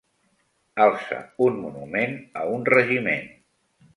Alça un monument a un regiment.